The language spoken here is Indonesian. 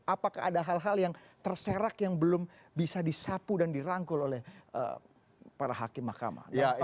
apakah ada hal hal yang terserak yang belum bisa disapu dan dirangkul oleh para hakim mahkamah